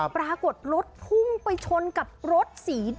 ปรากฏรถพุ่งไปชนกับรถสี